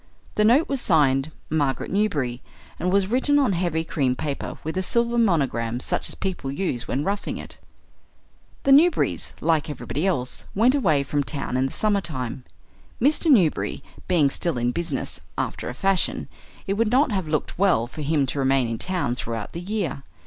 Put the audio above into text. The note was signed "Margaret Newberry" and was written on heavy cream paper with a silver monogram such as people use when roughing it. The Newberrys, like everybody else, went away from town in the summertime. Mr. Newberry being still in business, after a fashion, it would not have looked well for him to remain in town throughout the year.